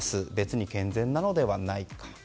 別に健全ではないかと。